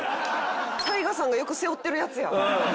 ＴＡＩＧＡさんがよく背負ってるやつや。